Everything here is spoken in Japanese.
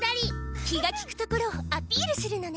気がきくところをアピールするのね。